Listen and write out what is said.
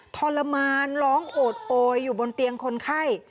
ทรมานร้องโอดโอยอยู่บนเตียงคนไข้